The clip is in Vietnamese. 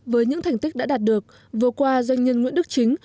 với những thành tích đã đạt được vừa qua doanh nhân nguyễn đức chính